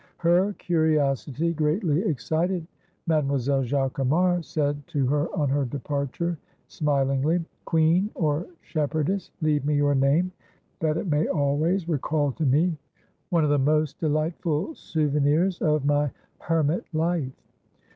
Her curiosity greatly excited, Mademoiselle Jacquemart said to her on her departure, smilingly, "Queen or shepherdess, leave me your name, that it may always recall to me one of the most delightful souvenirs of my hermit life."